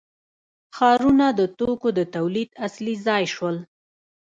ښارونه د توکو د تولید اصلي ځای شول.